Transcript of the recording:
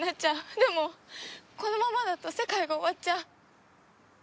でもこのままだと世界が終わっちゃう。